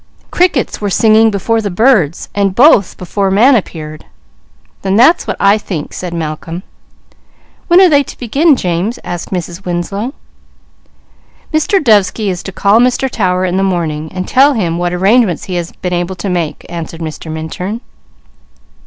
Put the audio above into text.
Crickets were singing before the birds, and both before man appeared." "Then that's what I think," said Malcolm. "When are they to begin, James?" asked Mrs. Winslow. "Mr. Dovesky is to call Mr. Tower in the morning and tell him what arrangements he has been able to make," answered Mr. Minturn.